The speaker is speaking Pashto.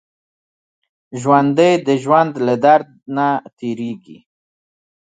ژوندي د ژوند له درد نه تېرېږي